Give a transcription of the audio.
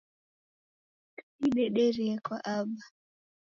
Kudidederie kwa aba